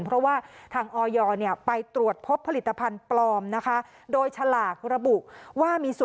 เพราะว่าท่างออยไปตรวจพบผลิตภัณฑ์ปลอม